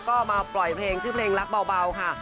ก็มาปล่อยเพลงชื่อเพลงรักเบาค่ะ